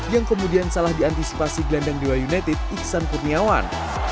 yang kemudian salah diantisipasi gelendang dewa united iksan purniawan